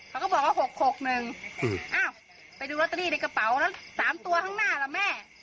เขาก็บอกว่า๖๖๑อ้าวไปดูลอตเตอรี่ในกระเป๋าแล้ว๓ตัวข้างหน้าล่ะแม่